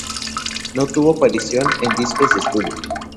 No tuvo aparición en discos de estudio.